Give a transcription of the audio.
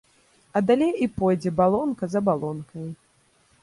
А далей і пойдзе балонка за балонкаю.